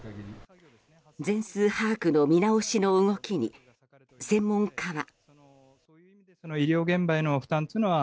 全数把握の見直しの動きに専門家は。